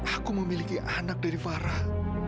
aku memiliki anak dari farah